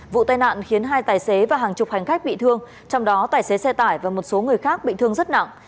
vụ tai nạn khiến hai tài xế và hàng chục hành khách bị thương trong đó tài xế xe tải và một số người khác bị thương rất nặng